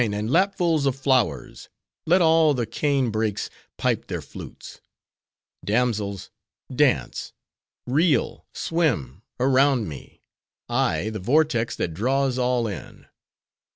and lapfuls of flowers! let all the cane brakes pipe their flutes. Damsels! dance; reel, swim, around me:—I, the vortex that draws all in.